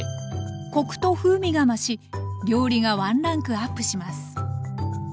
コクと風味が増し料理がワンランクアップします。